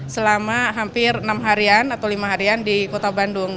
selama hampir enam harian atau lima harian di kota bandung